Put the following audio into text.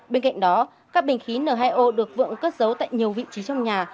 bên cạnh đó các bình khí n hai o được vượng cất giấu tại nhiều vị trí trong nhà